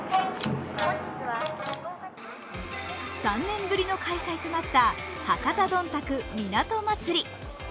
３年ぶりの開催となった博多どんたく港まつり。